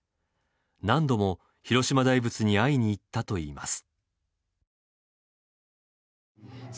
何度も広島大仏に会いに行ったといいます。